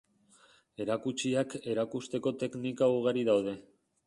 Erakutsiak erakusteko teknika ugari daude.